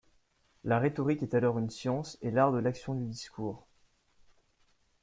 La rhétorique est alors une science et l'art de l'action du discours.